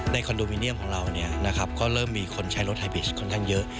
คอนโดมิเนียมของเราก็เริ่มมีคนใช้รถไฮบีชค่อนข้างเยอะ